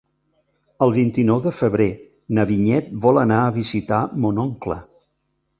El vint-i-nou de febrer na Vinyet vol anar a visitar mon oncle.